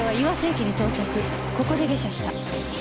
ここで下車した。